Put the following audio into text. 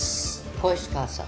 小石川さん。